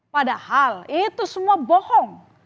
padahal itu semua bohong